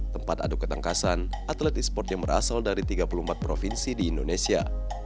tempat adu ketangkasan atlet e sport yang berasal dari tiga puluh empat provinsi di indonesia